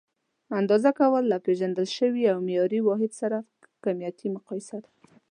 اندازه کول: له پېژندل شوي او معیاري واحد سره کمیتي مقایسه ده.